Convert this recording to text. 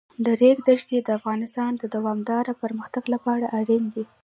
د ریګ دښتې د افغانستان د دوامداره پرمختګ لپاره اړین دي.